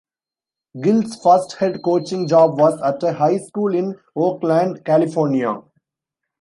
Gill's first head coaching job was at a high school in Oakland, California.